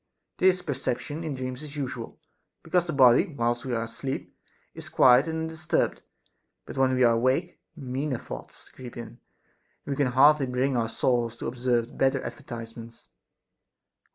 This perception in dreams is usual, because the body whilst we are asleep is quiet and undisturbed ; but when Ave are awake, meaner thoughts creep in, and we can hardly bring our souls to observe better advertisements.